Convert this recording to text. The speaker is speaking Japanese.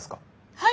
はい。